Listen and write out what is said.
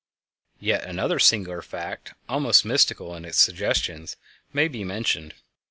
Yet another singular fact, almost mystical in its suggestions, may be mentioned.